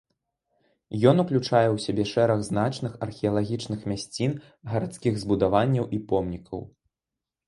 Ён ўключае ў сябе шэраг значных археалагічных мясцін, гарадскіх збудаванняў і помнікаў.